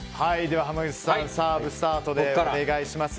濱口さん、サーブスタートでお願いします。